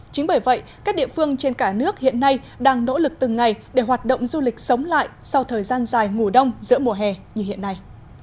chính bởi vậy các địa phương trên cả nước hiện nay đang nỗ lực từng ngày để hoạt động du lịch sống lại sau thời gian dài ngủ đông giữa mùa hè như hiện nay